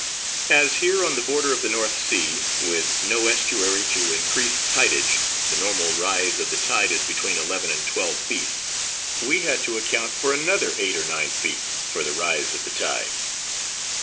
As here on the border of the North Sea, with no estuary to increase tidage, the normal rise of the tide is between eleven and twelve feet, we had to account for another eight or nine feet for the rise of the tide.